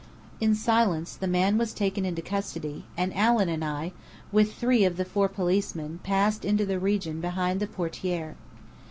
In silence the man was taken into custody; and Allen and I, with three of the four policemen, passed into the region behind the portière.